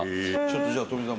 ちょっとじゃあ富澤